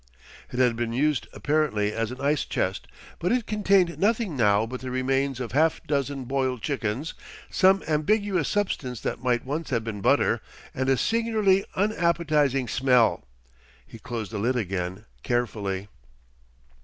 It had been used apparently as an ice chest, but it contained nothing now but the remains of half dozen boiled chickens, some ambiguous substance that might once have been butter, and a singularly unappetising smell. He closed the lid again carefully.